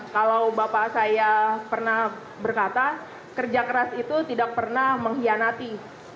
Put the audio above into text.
kalau bapak saya pernah berkata kerja keras itu tidak pernah mengkhianati